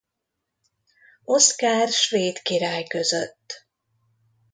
Oszkár svéd király között.